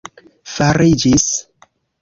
fariĝis